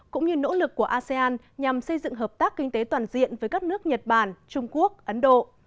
cũng như nỗ lực của asean nhằm xây dựng hợp tác kinh tế toàn diện với các nước nhật bản trung quốc ấn độ